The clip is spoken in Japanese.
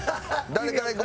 誰からいく？